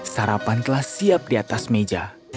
sarapan kelas siap di atas meja